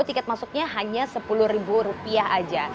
tiket masuknya hanya sepuluh ribu rupiah saja